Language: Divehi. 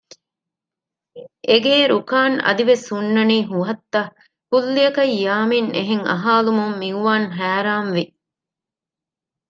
އެގޭ ރުކާން އަދިވެސް ހުންނަނީ ހުހަށްތަ؟ ކުއްލިއަކަށް ޔާމިން އެހެން އަހާލުމުން މިއުވާން ހައިރާންވި